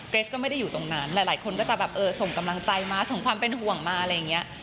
สก็ไม่ได้อยู่ตรงนั้นหลายคนก็จะแบบเออส่งกำลังใจมาส่งความเป็นห่วงมาอะไรอย่างนี้